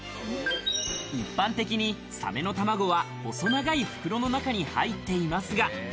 一般的にサメの卵は細長い袋の中に入っていますが。